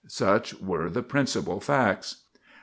Such were the principal facts.